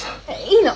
いいの。